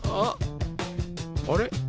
あれ？